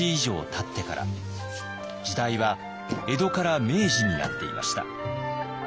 時代は江戸から明治になっていました。